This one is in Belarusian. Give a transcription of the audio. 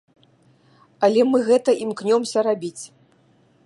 Але мы гэта імкнёмся рабіць.